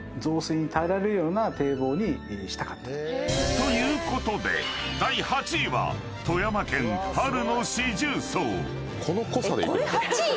［ということで第８位は富山県春の四重奏］